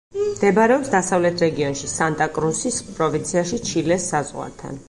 მდებარეობს დასავლეთ რეგიონში, სანტა-კრუსის პროვინციაში ჩილეს საზღვართან.